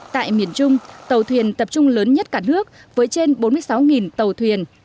tại miền trung tàu thuyền tập trung lớn nhất cả nước với trên bốn mươi sáu tàu thuyền